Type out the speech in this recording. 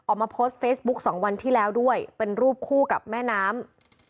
ออกมาโพสต์เฟซบุ๊คสองวันที่แล้วด้วยเป็นรูปคู่กับแม่น้ำ